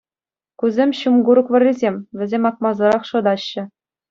Кусем ҫум курӑк вӑррисем, вӗсем акмасӑрах шӑтаҫҫӗ.